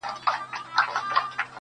قرآن کله هم دا نه دي ویلي